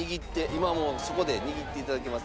今もうそこで握っていただけます。